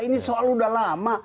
ini soal udah lama